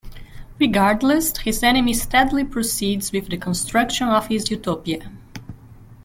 Regardless, his enemy steadily proceeds with the construction of his utopia.